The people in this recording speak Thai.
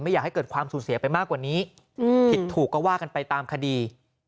อยากให้เกิดความสูญเสียไปมากกว่านี้ผิดถูกก็ว่ากันไปตามคดี